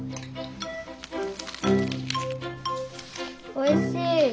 おいしい。